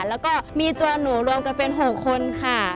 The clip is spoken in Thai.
แล้วก็มีตัวหนูรวมกันเป็น๖คนค่ะ